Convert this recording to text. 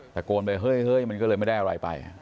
ตะโกนไปเฮ้ยมันก็เลยไม่ได้อะไรไป